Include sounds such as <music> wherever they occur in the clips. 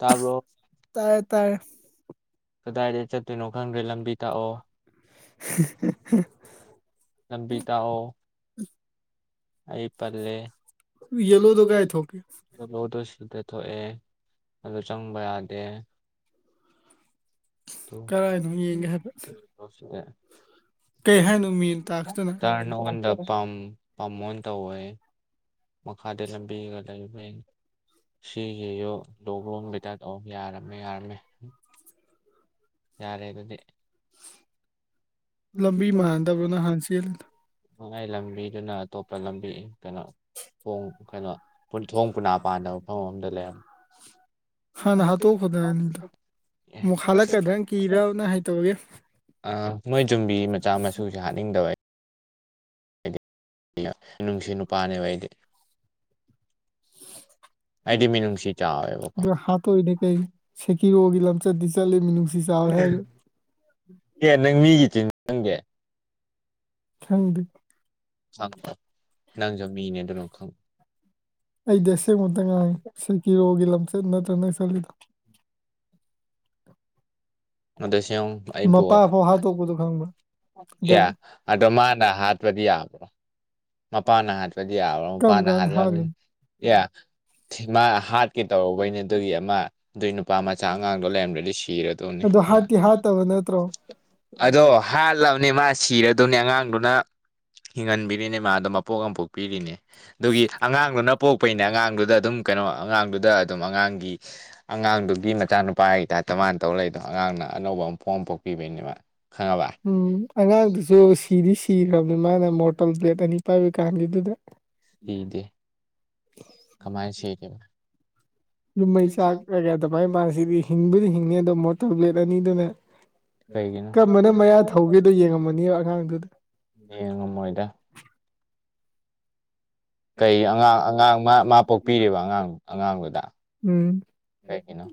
ꯇꯥꯕ꯭ꯔꯣ ꯀꯗꯥꯏꯗ ꯆꯠꯇꯣꯏꯅꯣ ꯈꯪꯗ꯭ꯔꯦ ꯂꯝꯕꯤ ꯇꯥꯛꯑꯣ <unintelligible> ꯂꯝꯕꯤ ꯇꯥꯛꯑꯣ ꯑꯩ ꯄꯜꯂꯦ ꯌꯦꯂꯣꯗꯣ ꯀꯥꯏ ꯊꯣꯛꯀꯦ ꯌꯦꯂꯣꯗꯨ ꯁꯤꯗ ꯊꯣꯛꯑꯦ ꯑꯗꯨ ꯆꯪꯕ ꯌꯥꯗꯦ <unintelligible> <unintelligible> ꯄꯝ ꯄꯝꯑꯣꯟ ꯇꯧꯑꯣꯌꯦ ꯃꯈꯥꯗ ꯂꯝꯕꯤꯒ ꯂꯩꯕꯩ ꯁꯤꯒꯤ ꯌꯣ <unintelligible> ꯑꯣ ꯌꯥꯔꯝꯃꯦ ꯌꯥꯔꯝꯃꯦ ꯌꯥꯔꯦ ꯑꯗꯨꯗꯤ ꯂꯝꯕꯤ ꯃꯥꯟꯅꯗꯕ꯭ꯔꯣ ꯅꯍꯥꯟ ꯆꯦꯜꯂꯤꯗꯣ ꯑꯩ ꯂꯝꯕꯤꯗꯨꯅ ꯑꯇꯣꯞꯄ ꯂꯝꯕꯤ ꯀꯩꯅꯣ ꯊꯣꯡ ꯀꯩꯅꯣ ꯄꯨ ꯊꯣꯡ ꯄꯨꯅꯥ ꯄꯥꯟꯗ ꯃꯐꯝ ꯑꯃꯗ ꯂꯩꯔꯝꯃꯦ <unintelligible> ꯑ ꯃꯣꯏ ꯖꯨꯝꯕꯤ ꯃꯆꯥ ꯃꯁꯨꯁꯦ ꯍꯥꯠꯅꯤꯡꯗꯕ ꯑꯩ ꯅꯨꯡꯁꯤ ꯅꯨꯄꯥꯅꯦꯕ ꯑꯩꯗꯤ ꯑꯩꯗꯤ ꯃꯤꯅꯨꯡꯁꯤ ꯆꯥꯎ ꯕ꯭ꯔꯣ ꯍꯥꯠꯇꯣꯛꯏꯗꯤ ꯀꯩ ꯁꯦꯀꯤꯌꯣꯒꯤ ꯂꯝꯆꯠꯇꯤ ꯆꯠꯂꯤ ꯃꯤꯅꯨꯡꯁꯤ ꯆꯥꯎꯏ ꯍꯥꯏꯔꯒ <unintelligible> ꯃꯤꯒꯤ ꯆꯤꯟ <unintelligible> ꯈꯪꯗꯦ ꯑꯩꯗꯤ ꯑꯁꯦꯡꯕꯇ ꯉꯥꯡꯉꯦ ꯁꯦꯀꯤꯌꯣꯒꯤ ꯂꯝꯆꯠ ꯅꯠꯇ꯭ꯔ ꯅꯪ ꯆꯠꯂꯤꯗꯣ ꯑꯗꯁꯤꯌꯣꯡ ꯑꯩꯕꯣ ꯀꯌꯥ ꯑꯗꯣ ꯃꯥꯅ ꯍꯥꯠꯕꯗꯤ ꯌꯥꯕ꯭ꯔꯣ ꯃꯄꯥꯥꯅ ꯍꯥꯠꯄꯗꯤ ꯌꯥꯕ꯭ꯔꯣ ꯃꯄꯥꯅ ꯍꯥꯠꯂꯝꯅꯤ ꯑꯦ ꯃꯥ ꯍꯥꯠꯀꯦ ꯇꯧꯔꯨꯕꯩꯅꯦ ꯗꯨꯒꯤ ꯑꯃ ꯑꯗꯨꯏ ꯅꯨꯄꯥ ꯃꯆꯥ ꯑꯉꯥꯡꯗꯣ ꯂꯩꯔꯝꯗ꯭ꯔꯗꯤ ꯁꯤꯔꯗꯣꯅꯤ ꯑꯗꯣ ꯍꯥꯠꯇꯤ ꯍꯥꯠ ꯑꯗꯣ ꯍꯥꯠꯂꯕꯅꯦ ꯃꯥ ꯁꯤꯔꯗꯨꯅꯦ ꯑꯉꯥꯡꯗꯨꯅ ꯍꯤꯡꯍꯟꯕꯤꯔꯤꯅꯦ ꯃꯥꯗꯣ ꯃꯄꯣꯛ ꯑꯃ ꯄꯣꯛꯄꯤꯔꯤꯅꯦ ꯑꯗꯨꯒꯤ ꯑꯉꯥꯡꯗꯨꯅ ꯄꯣꯛꯄꯩꯅꯦ ꯑꯉꯥꯡꯗꯨꯗ ꯑꯗꯨꯝ ꯀꯩꯅꯣ ꯑꯉꯥꯡꯗꯨꯗ ꯑꯗꯨꯝ ꯑꯉꯥꯡꯒꯤ ꯑꯉꯥꯡꯗꯨꯒꯤ ꯃꯆꯥꯅꯨꯄꯥ ꯍꯥꯏꯇꯥꯏꯞꯇ ꯃꯥꯟꯅ ꯇꯧ ꯂꯩ ꯑꯗꯣ ꯑꯉꯥꯡꯅ ꯑꯅꯧꯕ ꯃꯄꯣꯛ ꯑꯃ ꯄꯣꯛꯄꯤꯕꯩꯅꯦ ꯃꯥ ꯎꯝ ꯑꯉꯥꯡꯗꯨꯁꯨ ꯁꯤꯗꯤ ꯁꯤꯈ꯭ꯔꯕꯅꯤ ꯃꯥꯅ ꯃꯣꯔꯇꯜ ꯄ꯭ꯂꯦꯠ ꯑꯅꯤ ꯄꯥꯏꯕꯩꯀꯥꯟꯒꯤ ꯗꯨꯗ ꯀꯤꯗꯦ ꯀꯃꯥꯏꯟ ꯁꯤꯒꯤꯕ ꯌꯨꯝꯃꯩ ꯆꯥꯛ ꯑꯔꯩ ꯑꯗꯨꯃꯥꯏ ꯃꯥꯁꯤꯗꯤ ꯍꯤꯡꯕꯨꯗꯤ ꯍꯤꯡꯉꯤ ꯑꯗꯣ ꯃꯣꯇꯣꯔ ꯕ꯭ꯂꯦꯠ ꯑꯅꯤꯗꯨꯅ ꯀꯝꯕꯅ ꯃꯌꯥ ꯊꯧꯒꯦꯗꯣ ꯌꯦꯡꯉꯝꯃꯅꯤꯕ ꯑꯉꯥꯡꯗꯨꯗ ꯌꯦꯡꯉꯝꯃꯣꯏꯗ ꯀꯩ ꯑꯉꯥꯡ ꯑꯉꯥꯡ ꯃꯥ ꯃꯥ ꯄꯣꯛꯄꯤꯔꯤꯕ ꯑꯉꯥꯡ ꯑꯉꯥꯡꯗꯨꯗ ꯎꯝ ꯀꯩꯒꯤꯅꯣ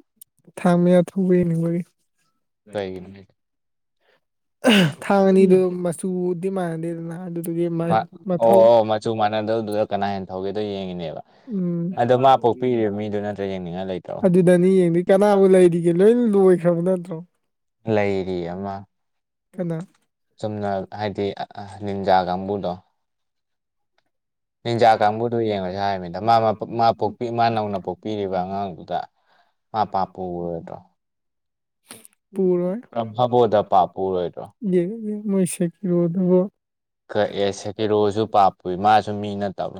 ꯊꯥꯃꯌꯥ ꯊꯧꯕ ꯌꯦꯡꯅꯤꯡꯕꯒꯤ ꯀꯩꯒꯤꯅꯣ ꯍꯦ ꯊꯥꯡ ꯑꯅꯤꯗꯨ ꯃꯆꯨꯗꯤ ꯃꯥꯟꯅꯗꯦꯗꯅ ꯑꯗꯨꯗꯨꯒꯤ ꯃ‌ ꯃꯊꯧ ꯆꯨ ꯃꯥꯟꯅꯗꯧꯗꯨꯗ ꯀꯅꯥ ꯍꯦꯟꯅ ꯊꯧꯒꯦꯗꯣ ꯌꯦꯡꯉꯤꯅꯦꯕ ꯎꯝ ꯑꯗꯨꯗꯅꯤ ꯌꯦꯡꯗꯤ ꯀꯅꯥꯕꯨ ꯂꯩꯔꯤꯒꯦ ꯂꯣꯏ ꯂꯣꯏꯒ <unintelligible> ꯅꯠꯇ꯭ꯔꯣ ꯂꯩꯔꯤ ꯑꯃ ꯀꯅꯥ ꯆꯨꯝꯅ ꯍꯥꯏꯗꯤ ꯑ ꯂꯤꯟꯖꯥ ꯀꯥꯡꯕꯨꯗꯣ ꯅꯤꯟꯖꯥ ꯀꯥꯡꯕꯨꯗꯣ ꯌꯦꯡꯉꯁꯦ ꯍꯥꯏꯃꯤꯗ ꯃꯥ ꯃꯥ ꯄꯣꯛꯄꯤ ꯃꯥ ꯅꯧꯅ ꯄꯣꯛꯄꯤꯔꯤꯕ ꯑꯉꯥꯡꯗꯨꯗ ꯃꯥ ꯄꯥꯞ ꯄꯨꯔꯣꯏꯗ꯭ꯔꯣ ꯄꯨꯔꯣꯏ ꯌꯦ ꯃꯣꯏ ꯁꯦꯀꯤꯌꯣꯔꯗꯣ ꯀ ꯑꯦ ꯁꯦꯀꯤꯔꯣꯁꯨ ꯄꯥꯞꯄꯨꯏ ꯃꯥꯁꯨ ꯃꯤ ꯅꯠꯇꯕꯔꯣ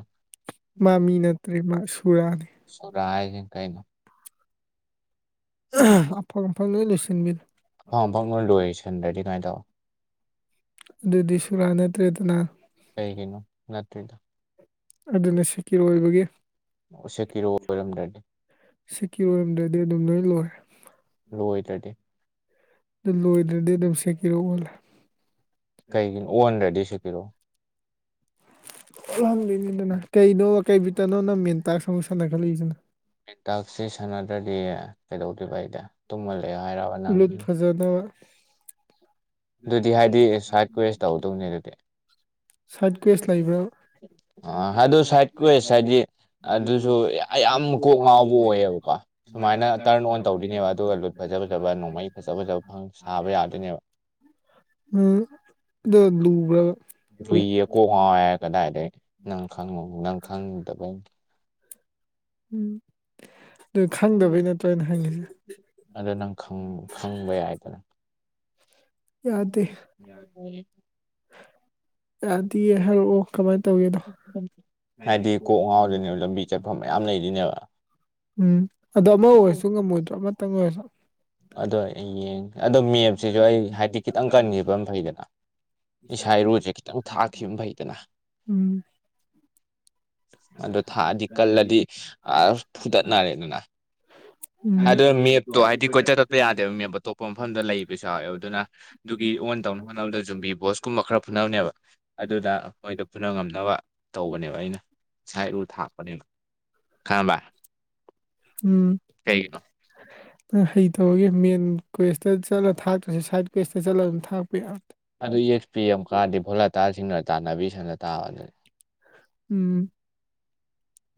ꯃꯥ ꯃꯤ ꯅꯠꯇ꯭ꯔꯦ ꯃꯥ ꯁꯨꯔꯥꯅꯤ ꯁꯨꯔꯥ ꯍꯥꯏꯖꯤꯅ ꯀꯩꯅꯣ ꯑꯐꯪ ꯑꯝꯐꯪ ꯂꯣꯏ ꯂꯣꯏꯁꯤꯟꯕꯤꯅꯤ ꯐꯪ ꯐꯪ ꯂꯣꯏ ꯂꯣꯏꯁꯟꯗ꯭ꯔꯗꯤ ꯀꯃꯥꯏ ꯇꯧ ꯑꯗꯨꯗꯤ ꯁꯨꯔꯥ ꯅꯠꯇ꯭ꯔꯦꯗꯅ ꯀꯩꯒꯤꯅꯣ ꯅꯠꯇ꯭ꯔꯤꯗꯣ ꯑꯗꯨꯅ ꯁꯦꯀꯤꯔ ꯑꯣꯏꯕꯒꯤ ꯁꯤꯀꯤꯔ ꯑꯣꯏꯔꯝꯗ꯭ꯔꯗꯤ ꯑꯗꯨꯝ ꯂꯣꯏ ꯂꯣꯏꯔꯦ ꯑꯗꯨ ꯂꯣꯏꯗ꯭ꯔꯗꯤ ꯑꯗꯨꯝ ꯁꯦꯀꯤꯔ ꯑꯣꯟꯂꯦ ꯀꯩꯒꯤꯅꯣ ꯑꯣꯟꯗ꯭ꯔꯗꯤ ꯁꯤꯒꯤꯔꯣ <unintelligible> ꯀꯩꯅꯣ ꯀꯩ ꯕꯤꯠꯇꯅꯣ ꯅꯪ ꯃꯦꯟ ꯇꯥꯛꯁ ꯑꯃꯨꯛ ꯁꯥꯅꯈꯠꯂꯛꯏꯖꯤꯅ ꯇꯥꯛꯁꯤ ꯁꯥꯟꯅꯗ꯭ꯔꯗꯤ ꯀꯩꯗꯧꯗꯣꯏꯕ ꯑꯩꯗꯤ ꯇꯨꯝꯃ ꯂꯩꯌꯣ ꯍꯥꯏꯔ ꯅꯪ ꯖꯨꯗꯣ ꯑꯗꯨꯗꯤ ꯍꯥꯏꯗꯤ ꯁꯥꯏ ꯀꯨꯋꯦꯁ ꯇꯧꯗꯧꯅꯦ ꯑꯗꯨꯗꯤ ꯁꯥꯏꯠ ꯀ꯭ꯋꯦꯁ ꯂꯩꯕ꯭ꯔꯥ ꯑ ꯑꯗꯨ ꯁꯏꯠ ꯀ꯭ꯨꯋꯦꯁ ꯍꯥꯏꯗꯤ ꯑꯗꯨꯁꯨ ꯌꯥꯝ ꯌꯥꯝ ꯀꯣꯛ ꯉꯥꯎꯕ ꯑꯣꯏꯌꯦꯕꯀꯣ ꯁꯨꯃꯥꯏꯅ ꯇꯔꯟ ꯑꯣꯟ ꯇꯧꯗꯣꯏꯅꯦꯕ ꯑꯗꯨꯒ ꯂꯨꯠ ꯐꯖ ꯐꯖꯕ ꯅꯣꯡꯃꯩ ꯐꯖ ꯐꯖꯕ ꯐꯪ ꯁꯥꯕ ꯌꯥꯗꯣꯏꯅꯦꯕ ꯑꯥ ꯑꯗꯣ ꯂꯨꯕ꯭ꯔꯥꯕ ꯀꯨꯏꯌꯦ ꯀꯣꯛ ꯉꯥꯎꯋꯦ ꯀꯗꯥꯏꯗꯒꯤ ꯅꯪ ꯈꯪꯉꯨꯕꯨ ꯅꯪ ꯈꯪꯗꯕꯩ ꯎꯝ ꯑꯗꯨ ꯈꯪꯗꯕꯩ ꯅꯠꯇ꯭ꯔꯣ ꯑꯩꯅ ꯍꯪꯉꯤꯁꯦ ꯑꯗꯣ ꯅꯪ ꯈꯪ ꯈꯪꯕ ꯌꯥꯏꯗꯅ ꯑꯗꯨꯗꯤ ꯑꫭ ꯑꫭꯏꯌꯦ ꯌꯥꯗꯤ ꯍꯥꯏꯂꯛꯑꯣ ꯀꯃꯥꯏ ꯇꯧꯒꯦꯗꯣ ꯍꯥꯏꯗꯤ ꯀꯣꯛ ꯉꯥꯎꯗꯣꯏꯅꯦꯕ ꯂꯝꯕꯤ ꯆꯠꯐꯝ ꯃꯌꯥꯝ ꯂꯩꯗꯣꯏꯅꯦꯕ ꯎꯝ ꯑꯗꯣ ꯑꯃ ꯑꯣꯏꯔꯁꯨ ꯉꯝꯃꯣꯏꯗ꯭ꯔꯣ ꯑꯃꯇꯪ ꯑꯣꯏꯔꯁꯨ ꯑꯗꯣ ꯑꯩ ꯌꯦꯡ ꯑꯗꯣ ꯃꯦꯞꯁꯤꯁꯨ ꯑꯩ ꯍꯥꯏꯗꯤ ꯈꯤꯇꯪ ꯀꯟꯈꯤꯕ ꯑꯝꯃ ꯐꯩꯗꯅ ꯏꯁꯥ ꯏꯔꯨꯁꯦ ꯈꯤꯇꯪ ꯊꯥꯛꯈꯤꯝ ꯐꯩꯗꯅ ꯑꯗꯨ ꯊꯥꯛꯑꯗꯤ ꯀꯜꯂꯗꯤ ꯑ ꯐꯨꯗꯠꯅꯔꯦꯗꯅ <inaudible> ꯑꯗꯨ ꯃꯦꯞꯇꯣ ꯍꯥꯏꯗꯤ ꯀꯣꯏꯆꯠ ꯆꯠꯄ ꯌꯥꯗꯦꯕ ꯃꯦꯞꯇꯣ ꯑꯇꯣꯞꯄ ꯃꯐꯝꯗ ꯂꯩꯕꯁꯨ ꯌꯥꯎꯋꯦꯕ ꯑꯗꯨꯅ ꯑꯗꯨꯒꯤ ꯑꯣꯟ ꯇꯧꯅꯕ ꯍꯣꯠꯅꯕꯗ ꯖꯨꯝꯕꯤ ꯕꯣꯁꯀꯨꯝꯕ ꯈꯔ ꯐꯨꯅꯕꯅꯦꯕ ꯑꯗꯨꯗ ꯃꯣꯏꯗꯣ ꯐꯨꯅ ꯉꯝꯅꯕ <inaudible> ꯁꯥꯏꯠ ꯎ ꯊꯥꯛꯄꯅꯦꯕ ꯈꯪꯉꯥꯕ ꯎꯝ ꯀꯩꯒꯤꯅꫭ ꯅꯪ ꯍꯩꯇꯕꯒꯤ ꯃꯦꯟ ꯀꯋꯦꯁꯇ ꯆꯠꯂꯒ ꯊꯥꯛꯇ꯭ꯔꯥꯁꯨ ꯁꯥꯏꯠ ꯀꯋꯦꯁꯇ ꯆꯠꯂꯒ ꯑꯗꯨꯝ ꯊꯥꯛꯄ ꯌꯥ ꯑꯗꯨ ꯌꯦꯛꯁꯄꯤ ꯑꯃꯨꯛ ꯀꯥꯔꯗꯤ ꯚꯣꯂꯥꯇꯥꯏꯜꯁꯤꯡꯅ ꯇꯥꯟꯅꯕꯤ ꯁꯥꯟꯅ ꯇꯥꯕꯅꯦ ꯎꯝ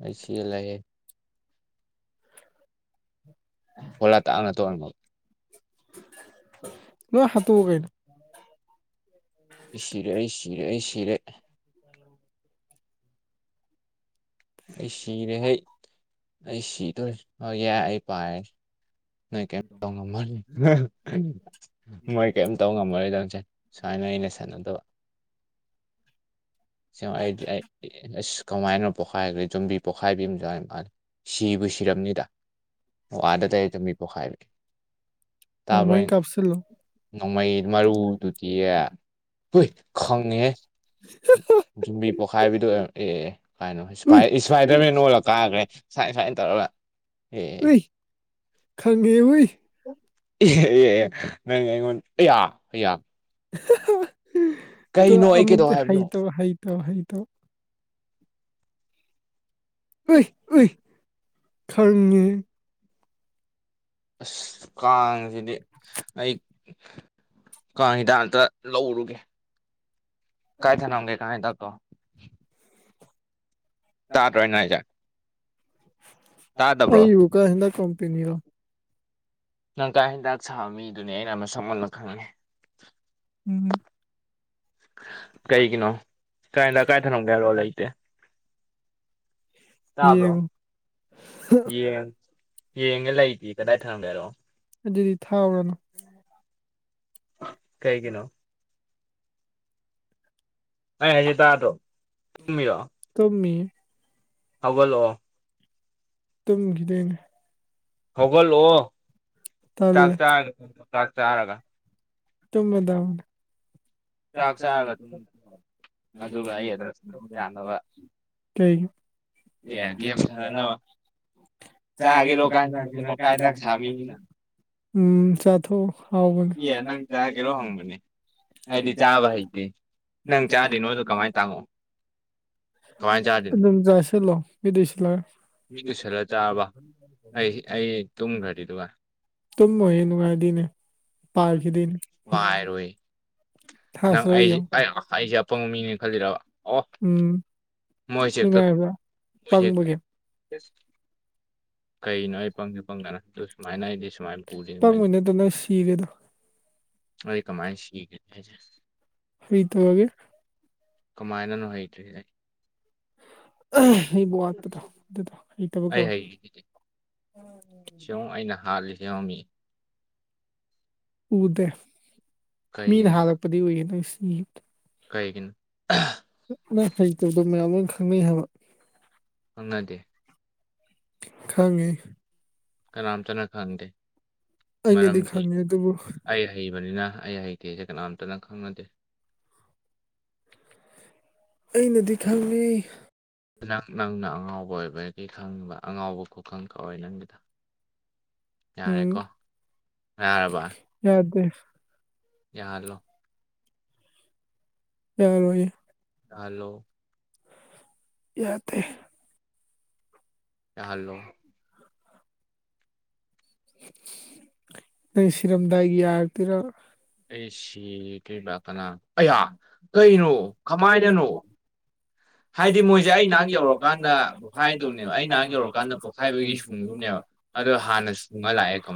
ꯑꯩ ꯆꯦꯜꯂꯦꯍꯦ <inaudible> ꯍꯣꯂꯥ ꯇꯥꯡꯅ ꯇꯧꯍꯟꯅꯕ ꯂꯣꯏ ꯍꯥꯇꯣꯛꯑꯣ ꯀꯩꯅꯣ ꯑꯩ ꯁꯤꯔꯦ ꯑꯩ ꯁꯤꯔꯦ ꯑꯩ ꯁꯤꯔꯦ ꯑꯩ ꯁꯤꯔꯦꯍꯦ ꯑꯩ ꯁꯤꯗꯣꯏꯣꯔꯦ ꯑꯣ ꯌꯥꯏ ꯑꯩ ꯄꯥꯏꯔꯦ ꯅꯣꯏ ꯀꯩꯝ ꯇꯧ ꯉꯝꯃꯣꯏ ꯃꯣꯏ ꯀꯩꯝ ꯇꯧ ꯉꯝꯃꯔꯣꯏꯗꯧꯅꯦꯁꯦ ꯁꯨꯃꯥꯏꯅ ꯑꯩꯅ ꯁꯥꯟꯅꯗꯕ <inaudible> ꯁꯦꯡ ꯑꯩꯗꯤ ꯑꯩ ꯑꯁ ꯀꯃꯥꯏꯅꯣ ꯄꯣꯛꯈꯥꯏꯒ꯭ꯔꯦ ꯖꯨꯝꯕꯤ ꯄꯣꯛꯈꯥꯏꯕꯤ ꯑꯃ ꯌꯥꯎꯏ ꯃꯥꯗꯤ ꯁꯤꯕꯨ ꯁꯤꯔꯝꯅꯤꯗ ꯋꯥꯗ ꯂꯩ ꯖꯩꯝꯕꯤ ꯄꯣꯛꯈꯥꯏꯕꯗꯤ ꯇꯥꯕ꯭ꯔꯣ ꯑꯩ ꯅꯣꯡꯃꯩ ꯃꯔꯨꯗꯨꯗꯤꯌꯦ ꯍꯨꯏ ꯈꯪꯉꯤꯍꯦ <inaudible> ꯖꯨꯝꯕꯤ ꯄꯣꯛꯈꯥꯏꯕꯤꯗꯨ ꯑꯣꯏꯔꯝ ꯑꯦ ꯑꯦ ꯀꯥꯏꯅꯣ ꯏꯁꯄꯥꯏ ꯏꯁꯄꯥꯏꯗꯔꯃꯦꯟ ꯑꯣꯜꯂꯒ ꯀꯥꯈ꯭ꯔꯦ꯫ ꯁꯥꯏꯟ ꯁꯥꯏꯟ ꯇꯧꯔꯒ ꯑꯦ ꯑꯦ ꯑꯦ ꯑꯦ ꯅꯪ ꯑꯩꯉꯣꯟ ꯑꯌꯥ ꯑꯌꯥ ꯇꯩ ꯑꯃꯨꯛꯇ ꯍꯩꯇꯕ ꯍꯩꯇꯕ ꯍꯩꯇꯕ ꯎꯏ ꯎꯏ ꯈꯪꯉꯤꯍꯦ ꯑꯁ ꯀꯥꯡꯁꯤꯗꯤ ꯑꯩ ꯀꯥꯡ ꯍꯤꯗꯥꯛ ꯑꯝꯇ ꯂꯧꯔꯨꯒꯦ ꯀꯥꯏ ꯊꯅꯝꯒꯦ ꯀꯥꯡ ꯍꯤꯗꯥꯛꯇꯣ ꯇꯥꯗ꯭ꯔꯣ ꯑꯩꯅ ꯍꯥꯏꯖꯦ ꯑꯩꯕꯨ ꯀꯥꯡ ꯍꯤꯗꯥꯛ ꯀꯝꯄꯦꯅꯤꯔꯣ ꯅꯪ ꯀꯥꯡ ꯍꯤꯗꯥꯛ ꯁꯥꯕ ꯃꯤꯗꯨꯅꯦ ꯑꯩꯅ ꯃꯁꯛ ꯃꯨꯟꯅ ꯈꯪꯉꯦ ꯎꯝ꯫ ꯀꯩꯒꯤꯅꯣ ꯀꯥꯡ ꯍꯤꯗꯥꯛ ꯀꯥꯏ ꯊꯅꯝꯒꯦ ꯍꯥꯏꯔꯛꯑꯣ ꯂꯩꯇꯦ꯫ ꯇꯥꯕ꯭ꯔꯣ ꯌꯦꯡ ꯌꯦꯡꯒ ꯂꯩꯇꯦ ꯀꯗꯥꯏ ꯊꯅꯝꯒꯦ ꯍꯥꯏꯔꯛꯑꯣ ꯑꯗꯨꯗꯤ ꯊꯥꯎꯔꯅꯨ ꯀꯩꯒꯤꯅꯣ ꯑꯩ ꯍꯥꯏꯖꯦ ꯇꯥꯗ꯭ꯔꯣ ꯇꯨꯝꯃꯤꯔꯣ ꯇꯨꯝꯃꯤ ꯍꯧꯒꯠꯂꯣ ꯇꯨꯝꯒꯤꯗꯣꯏꯅꯦ ꯍꯧꯒꯠꯂꯣ ꯆꯥꯛ <inaudible> ꯆꯥꯛ ꯆꯥꯔꯒ ꯇꯨꯝꯃꯗꯧ ꯆꯥꯛ ꯆꯥꯔꯒ ꯇꯨꯝꯕꯗꯤ <inaudible> ꯑꯗꯨꯒ ꯑꯩ ꯑꯗꯨꯝ <unintelligible> ꯑꯦ ꯒꯦꯝ ꯁꯥꯟꯅꯅꯕ ꯆꯥꯒꯦꯔꯣ ꯀꯥꯡ ꯍꯤꯗꯥꯛꯁꯦ ꯅꯪ ꯀꯥꯡ <unintelligible> ꯎꯝ ꯆꯥꯊꯣꯛꯑꯣ ꯍꯥꯎꯕꯅꯤ <unintelligible> ꯆꯥꯕ ꯍꯩꯇꯦ ꯅꯪ <unintelligible> ꯀꯃꯥꯏ <unintelligible> ꯀꯃꯥꯏ ꯆꯥꯗꯣꯏꯅꯣ ꯑꯗꯣ ꯑꯗꯨꯝ ꯆꯥꯁꯤꯜꯂꯣ ꯃꯤꯠ ꯎꯏꯁꯤꯜꯂꯒ ꯃꯤꯠ ꯎꯏꯁꯤꯜꯂ ꯆꯥꯕ <unintelligible> ꯇꯨꯝꯃꯣꯏꯌꯦ ꯅꯨꯡꯉꯥꯏꯗꯣꯏꯅꯦ <unintelligible> ꯄꯥꯏꯔꯣꯏ <unintelligible> ꯌꯦꯡꯉꯨ <unintelligible> ꯑꯣ ꯎꯝ ꯅꯨꯡꯉꯥꯏꯕ꯭ꯔꯥ ꯄꯪꯕꯒꯤ ꯀꯩꯅꯣ ꯑꯩ ꯄꯪꯖꯨ ꯄꯪꯗꯅ <inaudible> ꯄꯪꯕꯩ ꯅꯠꯇ꯭ꯔꯣ ꯅꯪ ꯁꯤꯔꯤꯗꯣ ꯑꯩ ꯀꯃꯥꯏ ꯁꯤꯒꯦ ꯍꯥꯏꯁꯦ ꯍꯩꯇꯕꯒꯤ ꯀꯃꯥꯏꯅꯅꯣ ꯍꯩꯇ꯭ꯔꯤꯖꯦ ꯑꯩ ꯍꯩꯕ ꯋꯥꯠꯄꯗꯣ ꯑꯗꯨꯗꯣ ꯍꯩꯇꯕ ꯀꯧꯏ <unintelligible> ꯑꯩꯅ ꯍꯥꯠꯂꯤꯁꯦ ꯌꯦꯡꯉꯣ ꯃꯤ ꯎꯗꯦ ꯃꯤꯅ ꯍꯥꯠꯂꯛꯄꯗꯤ ꯎꯏ <inaudible> ꯅꯪ ꯍꯩꯇꯕꯗꯣ ꯃꯌꯥꯝ ꯂꯣꯏ ꯈꯪꯅꯩ ꯍꯥꯏꯕ ꯈꯪꯅꯗꯦ ꯈꯪꯉꯦ <inaudible> ꯑꯩꯅꯗꯤ ꯈꯪꯉꯦ ꯑꯗꯨꯕꯨ ꯑꯩ ꯍꯩꯕꯅꯤꯅ ꯑꯩ ꯍꯩꯇꯦꯖꯦ ꯀꯅꯥꯝꯇꯅ ꯈꯪꯅꯗꯦ ꯑꯩꯅꯗꯤ ꯈꯪꯉꯤ ꯅꯪ ꯅꯪꯅ ꯑꯉꯥꯎꯕ ꯑꯣꯏꯕꯒꯤ ꯈꯪꯕ ꯑꯉꯥꯎꯕ ꯈꯨꯈꯪ ꯀꯧꯋꯦ ꯅꯪꯒꯤꯗꯣ ꯎꯝ ꯌꯥꯔꯕ ꯌꯥꯗꯦ ꯌꯥꯍꯜꯂꯣ ꯌꯥꯔꯣꯏꯌꯦ ꯌꯥꯍꯜꯂꯣ ꯌꯥꯗꯦ ꯌꯥꯍꯜꯂꯣ ꯅꯪ ꯁꯤꯔꯝꯗꯥꯏꯒꯤ ꯌꯥꯔꯛꯇꯣꯏꯔꯕ ꯑꯩ ꯁꯤꯗꯣꯏꯕ ꯀꯅꯥ ꯑꯌꯥ ꯀꯩꯅꯣ ꯀꯃꯥꯏꯅꯅꯣ <inaudible> ꯍꯥꯏꯗꯤ ꯃꯣꯏꯁꯦ ꯑꯩ ꯅꯥꯛ ꯌꯧꯔꯀꯥꯟꯗ ꯄꯣꯈꯥꯏꯗꯧꯅꯦꯕ ꯑꯩ ꯅꯥꯛ ꯌꯧꯔꯀꯥꯟꯗ ꯄꯣꯈꯥꯏꯕꯒꯤ ꯁꯤꯡꯗꯧꯅꯦꯕ ꯑꯗꯣ ꯍꯥꯟꯅ <unintelligible> ꯂꯥꯛꯑꯦ <inaudible>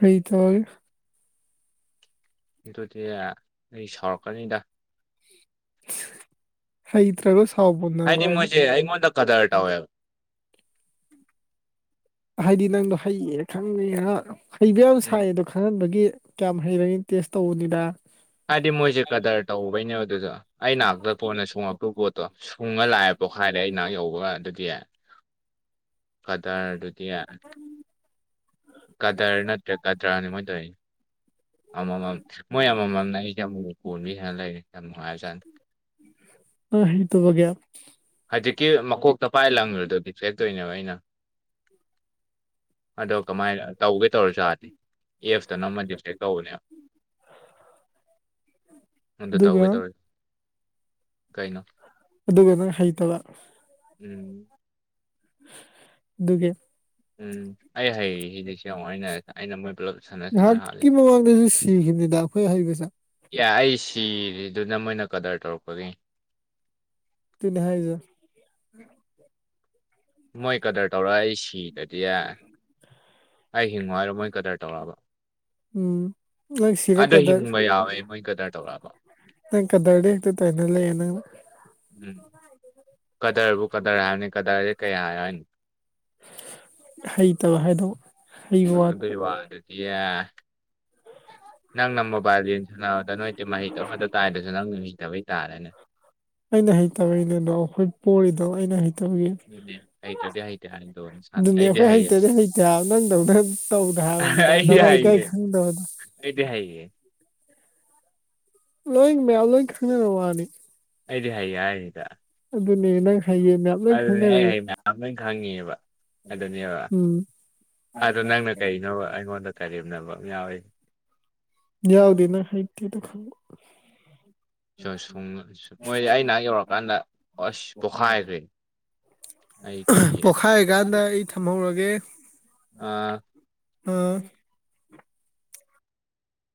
ꯍꯩ ꯊꯣꯏꯔ ꯑꯗꯨꯗꯤ ꯑꯩ ꯁꯥꯎꯔꯛꯀꯅꯤꯗ ꯍꯩꯇ꯭ꯔꯥꯒ ꯁꯥꯎꯕꯅꯣ ꯍꯥꯏꯕꯅꯦ ꯑꯩꯉꯣꯟꯗ ꯀꯗꯔ ꯇꯧꯋꯦ ꯍꯥꯏꯗꯤ ꯅꯪꯗꯣ ꯍꯩꯌꯦ ꯈꯪꯕꯅꯤꯅ ꯍꯩꯕ ꯌꯥꯝ ꯁꯥꯏꯌꯦꯗꯣ ꯈꯪꯍꯟꯕꯒꯤ ꯀꯌꯥꯝ ꯍꯩꯔꯅꯤ ꯇꯦꯁ ꯇꯧꯕꯅꯤꯗ ꯍꯥꯏꯗꯤ ꯃꯣꯏꯁꯦ ꯀꯗꯔ ꯇꯧꯕꯩꯅꯦ ꯑꯗꯨꯗꯣ ꯑꯩ ꯅꯥꯛꯇ ꯀꯣꯟꯅ ꯁꯨꯡꯉꯛꯇꯧ ꯄꯣꯠꯇꯣ ꯁꯨꯡꯉ ꯂꯥꯛꯑꯦꯕ ꯇꯣꯛꯈꯥꯏꯔꯦ ꯑꯩ ꯅꯥꯛ ꯌꯧꯕꯒ ꯑꯗꯨꯗꯤ ꯀꯗꯔ ꯗꯨꯗꯤ ꯀꯗꯔ ꯅꯠꯇ꯭ꯔꯦ ꯀꯇ꯭ꯔꯥꯅꯤ ꯃꯣꯏꯅ ꯇꯧꯏꯁꯤ ꯑꯃꯃꯝ ꯃꯣꯏ ꯑꯃꯃꯝꯅ ꯑꯩꯁꯦ ꯑꯃꯨꯃꯨꯛ ꯀꯣꯟꯕꯤ ꯁꯥꯟꯅ ꯂꯩꯔꯦ ꯌꯥꯝ ꯅꯨꯡꯉꯥꯏꯕꯖꯥꯠꯅꯤ ꯅꯪ ꯍꯩꯇꯕꯒꯤ ꯍꯧꯖꯤꯛꯀꯤ ꯃꯀꯣꯛꯇ ꯄꯥꯏ ꯂꯪꯉꯨꯔꯤꯗꯣ ꯗꯤꯐ꯭ꯔꯦꯛ ꯇꯣꯏꯅꯦꯕ ꯑꯩꯅ <inaudible> ꯑꯗꯣ ꯀꯃꯥꯏꯅ ꯇꯧꯒꯦ ꯇꯧꯔꯖꯨ ꯌꯥꯗꯤ ꯑꯦꯐꯇ ꯅꯝꯃ ꯗꯤꯐꯇꯦꯛ ꯇꯧꯕꯅꯦꯕ <inaudible> ꯑꯗꯨ ꯇꯧꯒꯦ ꯇꯧꯋꯦ ꯑꯗꯨꯒꯤ ꯅꯪ ꯍꯩꯇꯕ ꯎꯝ ꯗꯨꯒꯤ ꯎꯝ ꯑꯩ ꯍꯥꯏꯌꯦ ꯁꯤꯗꯤ ꯁꯤ ꯉꯍꯥꯛꯀꯤ ꯃꯃꯥꯡꯗꯁꯨ ꯁꯤꯈꯤꯕꯅꯤꯗ ꯑꯩꯈꯣꯏ ꯍꯩꯕꯁꯦ ꯌꯥ ꯑꯩ ꯁꯤꯔꯤꯗꯨꯅ ꯃꯣꯏꯅ ꯀꯗꯔ ꯇꯧꯔꯛꯄꯒꯤ ꯑꯗꯨꯅꯤ ꯍꯥꯏꯖꯦ ꯎꯝ ꯃꯣꯏ ꯀꯗꯔ ꯇꯧꯔꯛꯒ ꯑꯩ <unintelligible> ꯑꯩ ꯍꯤꯡꯉꯨ ꯍꯥꯏꯔꯣ ꯃꯣꯏ ꯀꯗꯔ ꯇꯧꯔꯛꯑꯕꯣ ꯑꯗꯨ ꯍꯤꯡꯕ ꯌꯥꯎꯋꯦ ꯃꯣꯏ ꯀꯗꯔ ꯇꯧꯔꯛꯑꯕꯥꯎ <unintelligible> ꯂꯩꯌꯣ ꯅꯪꯅ ꯀꯗꯔꯕꯨ ꯀꯗꯔ ꯍꯥꯏꯕꯅꯤ ꯀꯗꯔꯁꯦ ꯀꯩ ꯍꯥꯏꯌꯣ ꯍꯥꯏꯅꯣ ꯍꯩꯇꯕ ꯍꯥꯏꯗꯧꯕ ꯑꯗꯨꯏ ꯋꯥꯗꯨꯗꯤ ꯅꯪꯅ ꯃꯣꯕꯥꯏꯜ ꯂꯤꯖꯦꯟ ꯁꯥꯟꯅꯕꯗ ꯅꯣꯏꯗꯤ ꯃꯍꯩ ꯇꯧꯅꯗ ꯇꯥꯏꯗꯤ ꯅꯪ ꯃꯤꯡꯗ ꯇꯥꯔꯦꯅꯦ ꯑꯩꯅ ꯍꯩꯇꯕꯒꯤꯅꯦ ꯑꯗꯣ ꯑꯩꯈꯣꯏ ꯄꯣꯔꯤꯗꯣ ꯑꯩꯅ ꯍꯩꯇꯕꯒꯤ ꯑꯗꯨꯅꯦ ꯑꯩꯈꯣꯏ ꯍꯩꯇꯗꯤ ꯍꯩꯇꯦ ꯍꯥꯏꯕ ꯅꯪꯗꯧꯅ ꯇꯧꯗꯦ ꯍꯥꯏꯕꯅꯤꯗ ꯅꯃꯥꯏ ꯏꯀꯥꯏ ꯈꯪꯗꯕ ꯑꯩꯗꯤ ꯍꯩꯌꯦ ꯂꯣꯏ ꯃꯌꯥꯝ ꯂꯣꯏ ꯈꯪꯅꯔꯕ ꯋꯥꯅꯤ ꯑꯩꯗꯤ ꯍꯥꯏꯌꯦ ꯍꯥꯏꯁꯤꯗ ꯑꯗꯨꯗꯤ ꯑꯩ ꯍꯥꯏ ꯃꯌꯥꯝ ꯂꯣꯏ ꯈꯪꯉꯤꯕ ꯎꯝ ꯑꯗꯣ ꯅꯪꯅ ꯀꯔꯤꯅꯣꯕ ꯑꯩꯉꯣꯟꯗ ꯀꯔꯦꯝꯅꯕ ꯑꯃꯥ ꯌꯥꯎꯋꯤꯁꯦ ꯌꯥꯎꯗꯦ ꯅꯪ ꯍꯩꯇꯦꯗꯨ ꯈꯪꯕ ꯁꯨꯝ ꯁꯨꯝ ꯃꯣꯏꯗꯤ ꯑꯩ ꯍꯥꯛ ꯌꯧꯔꯀꯥꯟꯗ ꯑꯁ ꯄꯣꯈꯥꯏꯈ꯭ꯔꯦ ꯄꯣꯛꯈꯥꯏꯔꯤꯀꯥꯟꯗ ꯑꯩ ꯊꯝꯍꯧꯔꯒꯦ ꯑꯥ